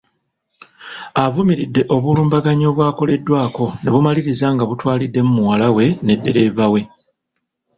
Avumiridde obulumbaganyi obwakoleddwako ne bumaliriza nga butwaliddemu muwala we ne ddereeva we.